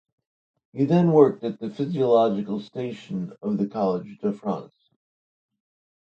He then worked at the physiological station of the College de France.